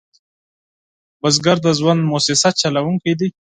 بزګر د ژوند موسسه چلوونکی دی